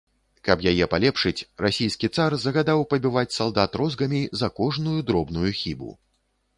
Каб яе палепшыць, расійскі цар загадаў пабіваць салдат розгамі за кожную дробную хібу.